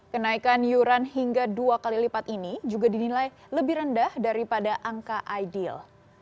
kenaikan yuran hingga dua kali lipat ini juga dinilai lebih rendah daripada angka ideal